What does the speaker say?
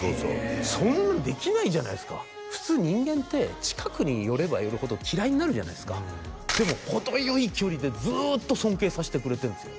そんなのできないじゃないですか普通人間って近くに寄れば寄るほど嫌いになるじゃないですかでも程よい距離でずっと尊敬さしてくれてるんですよ